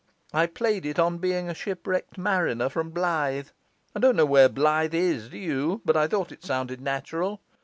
I played it on being a shipwrecked mariner from Blyth; I don't know where Blyth is, do you? but I thought it sounded natural.